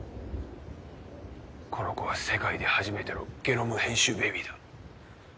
この子は世界で初めてのゲノム編集ベビーだ。